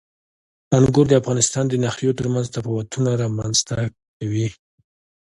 انګور د افغانستان د ناحیو ترمنځ تفاوتونه رامنځته کوي.